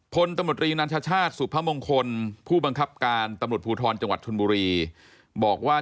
พลตำรวจรีนันชชาติสุพมงคลผู้บังคับการตำรวจภูทรจังหวัดชนบุรีบอกว่า